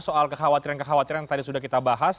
soal kekhawatiran kekhawatiran yang tadi sudah kita bahas